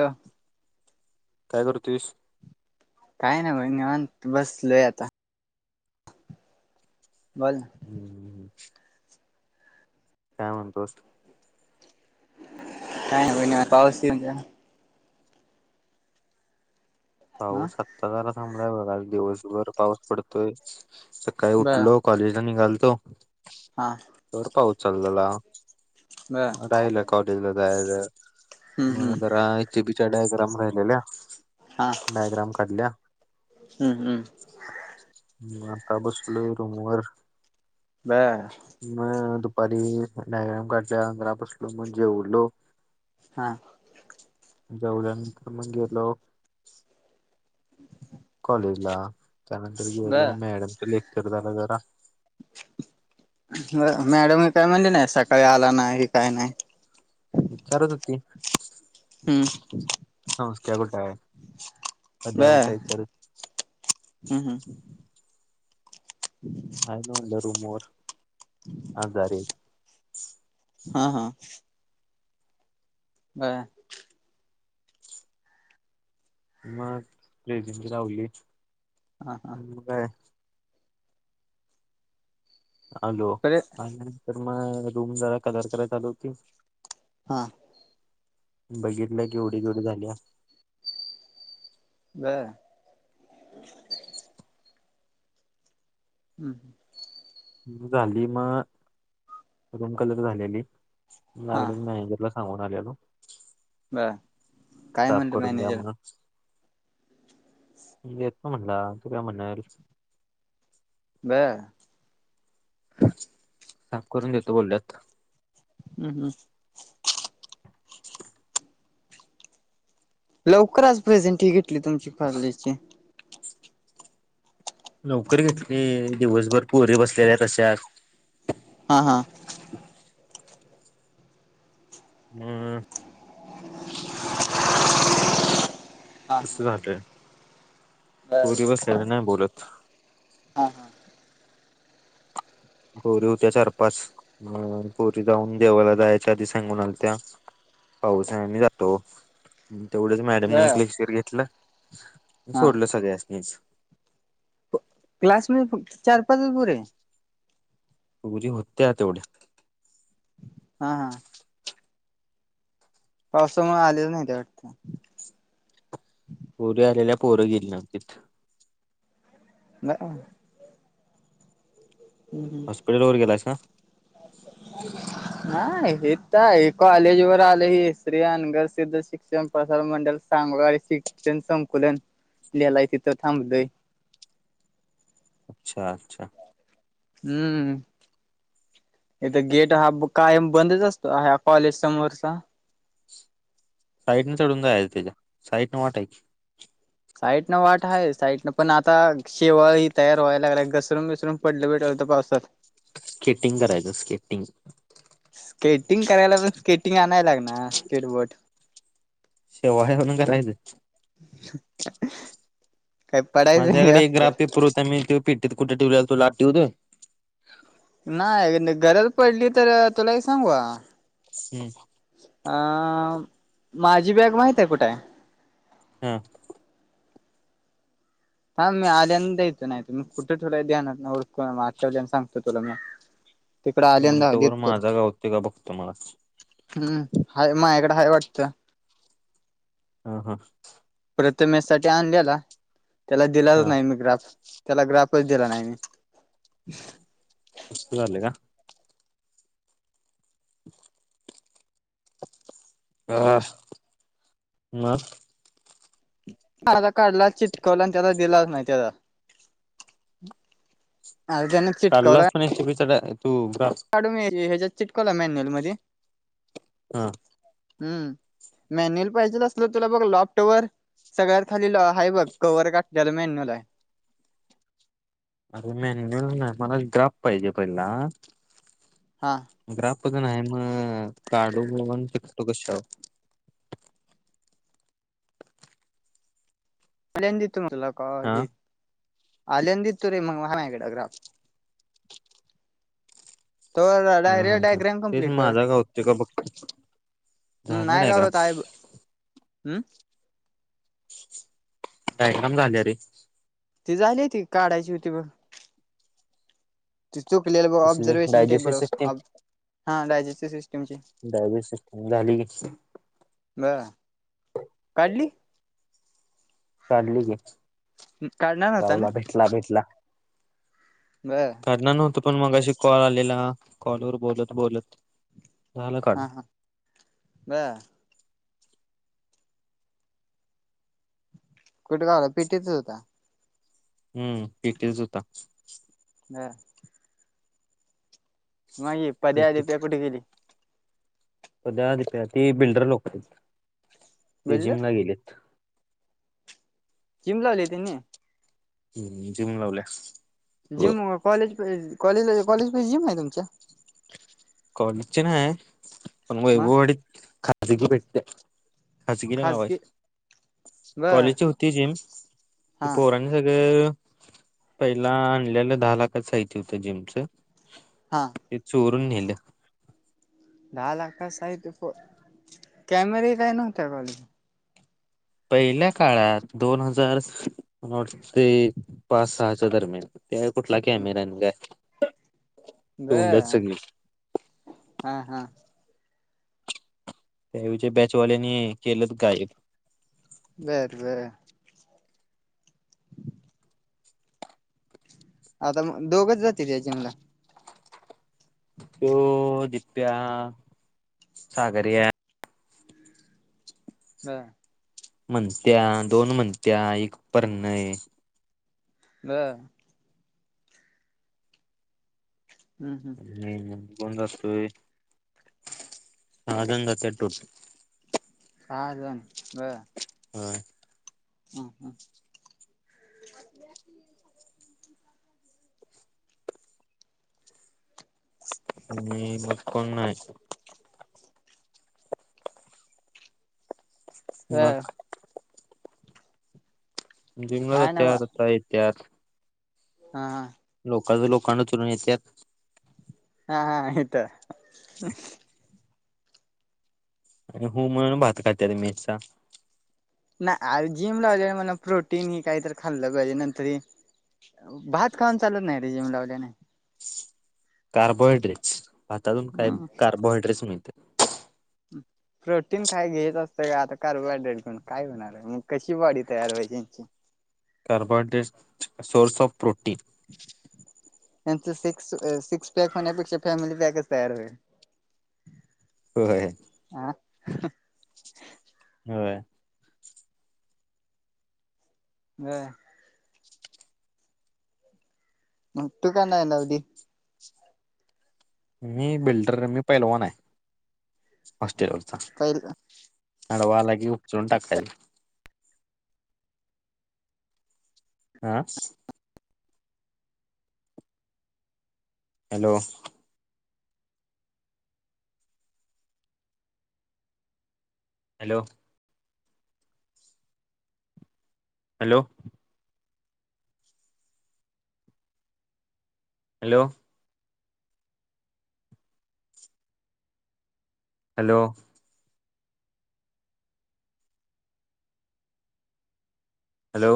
हा. काय करतोयस? काय नाही बघ निमान बसलोय आता बोल ना [inaudible] काय म्हणतोस? का बहिणी पाऊस म्हज हा पाऊस आत्ता जरा थांबलाय बघाल दिवसभर पाऊस पडतोय सकाळी बर उठलो कॉलेजला निघालतो हा तर पाऊस चालू झाला बर राहिलं कॉलेजला जायला हम्म हम्म मग जरा इथे मराले हा. बयग्राम काढल्या [inaudible] हम्म हम्म बर [inaudible] हा. जऊल्यानंतर मग गेलो कॉलेज ला त्यानंतर बर गेलो मॅडमच लेक्चर झाला जरा मॅडम हे काय म्हण नाही सका काही आला नाही काय नाही विचारत होती. हम्म. सत्या कुठा आहे सध्या बर कुठ आहे हम्म चार हम्म हयन रूमर हा झाार. हा हा. का? मग पलेज लावली हा हा मग काय? बरे हॅलोंतर मग रूम जरा कलर करायचा आल होती. हा. बघितलं केवढी केवढी झाली. ह. हम्म हम्. झाली मग रूम कलर झालेली. हा लागले मॅनेजरला सांगून आलेल. बर काय साफ म्हणलं करून द्या मॅनेजर म्हणून येत ना म्हणला तू काय म्हणणा. [unintelligible] साफ करून देतो बोलल्यात. हम्म हम्म. [inaudible] लवकर आच प्रेझेंट ही घेतली तुमची कजची नोकररी घेतली दिवसभर पोरी बसलेल्या तशात हा हा. हम्. हा झाट बर पूर्व सेनाना बोलत [inaudible] हा हा पोरी होत्या चार पाच अ पोरी जाऊन देवाला जायच्या आधी सांगून आलत्या. पाऊस आहे मही जातो तेवढच मॅडमने बर एकलेक्शर घेतलं. हा सोडल सगळ्यास मीच क्लास मधी फक्त चार पाचच पोरी पोरी होते तेवढ्या हा हा पावसामुळे आलेलं नाही त्या वाटतं. पोरी आलेल्या पोरं गेल ना तिथं. [unintelligible] हॉस्पिटल वर गेलायस का? नाही हे तर हे कॉलेज वर आले हे श्री अनगर सिद्ध शिक्षण प्रसारण मंडल सांग. ण संकुलन लिलाय तिथं थांबलय. अच्छा अच्छा. हम्म. इथ गेट हा कायम बंदच असतो ह कॉलेज समोरचा साईटने चढून जायच त्याच्या साईटने वाटऐ साईट न वाट आहे साईट न पण आता शेव ही तयार व्हायला लागला घसरून विसरून पडलं भेट. पावसात स्केटिंग करायचं स्केटिंग स्केटिंग करायला पण स्केटिंग आणायला लागणार स्केटबोर्ट शेव आहे होण काय राहिच. [inaudible] पडायचं नाही माझ्याकडे एक ग्राफ आपल्याला पेपर होता मी ते पिट्टीत कुठे ठेवलेला तो लाटेवत. नाही गरज पडली तर तुला सांगू. हम्म. अं माझी बॅग माहित हाय कुठ हाय. हा. थांब मी आल्यान देतो नाय त मी कुठ ठेवलाय ध्यानात नाय ओळख आठवल्या सांगतो तुला म हम्म तवर माझा गावत का बघतो मलाचं हम्म हा मायाकडं हाय वाटतं. ह हा प्रथमेश साठी आणलेला त्याला दिलाच हा नाही मी ग्राफ त्याला ग्राफच दिला नाय मी अस्त झालय का? [inaudible] हा म म आता काढला चिटकवला आणि त्याजा दिला नाय त्याला अर्ध्यानी चिटकवलाय काढलाच पण एस टी पी चा तू ग्राफ काढू मी ह्याच्यात चिटकवला मॅन्युअल मध्ये हा हम्म मॅन्युअल पाहिजेच असलं तुला बघ लॉपटॉवर सगळ्याथ खाली हाय बघ कव्हर घातल्याल मेन्यूअल हाय. [inaudible] अरे मॅन्युअल नाय मला ग्राफ पाहिजे पहिला हा ग्राफ [unintelligible] कतो कशावर आल्यांन देतो म्हणला का हा हे आल्यान देतू रे म्हणला हाय माझाकड ग्राफ तवर हा हा डायरेक्ट ह डायग्राम तेच कम्प्लीट कर माझा गावतोय का बघतो हम्म झाल्या नाही डायग्राम गावत आहे हम्म काय काम झाल्या रे ती झाली होती काढायची होती ब तु चुकलेल बघ कसली ऑब्जर्वेशन डायजेस्टिव टेबलवर सिस्टीम ऑब हा डायजेस्टिव सिस्टमची डायजेस्टिव सिस्टीम झाली की ब काढली. काढली की काढणार होता ना गावला भेटला भेटला. बर करणार नव्हतो पण मगाशी कॉल आलेला कॉलवर बोलत बोलत झालं हा काढून हा बर कुठ गावला पेटीतच होता. हम्म पेटीतच हुता. हा मा हे पद्या दिप्या कुड गेले? पद्या दिप्या ते बिल्डर लोक यते ते बोललं जिमला गेलेत. जिम लावलीय त्यांनी हम्म जिम लावल्या जिम कॉलेज कॉलेला कॉलेज पाशी जिम हाय तुमच्या कॉलेज च्या नाय पण मग वैभववाडीत खातली की भेटत्या खासगीला नाव आहे. खाजगी बर कॉलेजची होती जिम ती हा पोरांनी सगळं पहिला आणल्याल दहा लाखाच साहित होत जिमच हा ते चोरून नेलं. दहा लाखाचं साहित कॅमेरे काय नव्हत्या कॉलेज पहिल्या काळात दोन हजार नठ ते पाच सहाच्या दरम्यान त्या कुठला कॅमेराना काय बे तोंडच सगळी हा हा त्यावेळच्या बॅचवाल्यानी केलंत गायब. बर बर. आता मग दोघच जाते का जिमला? तो दिप्या, सागऱ्या. हा. म्हणत्या दोन म्हणत्या एक परणय. ब. हम्म हम्म. आणि कोण जातोय? हा घेऊन जाते टोपी. सहाजण बरं. होय. हं हं. आणि मग कोण नाही. बर मग? जिमला काय ना जात्या बा सकाळी येत्या. हा हा. लोक लोकांना चुरून येतात. हा हा आयता. आणि हो म्हणून भात खात मेसचा. नाही जिम लावल्या मला प्रोटीन ही काही तर खाल्लं पाहिजे नंतर भात खाऊन चालत नाही रे जिम लावले नाही. कार्बोहायड्रेट्स भातातून काय हम्म कार्बोहायड्रेट्स मिळतं. प्रोटीन काय घेत असतं का आता कार्बोहायड्रेट घेऊन काय होणार म कशी बॉडी तयार व्हायची यांची. Carbohydrate source of protein. त्यांच सिक्स सिक्स पॅक होण्यापेक्षा फॅमिली पॅकच तयार होल. होय. ह. होय. ब. मग तू का नाही ना लावली? मी बिल्डर मी पैलवान आहे हॉस्टेलवरचा. पहि आडवा आला की उचलून टाकायचं. आह. Hello. Hello. Hello. Hello. Hello. Hello.